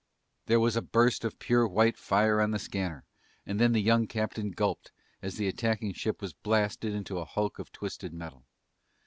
There was a burst of pure white fire on the scanner and then the young captain gulped as the attacking ship was blasted into a hulk of twisted metal.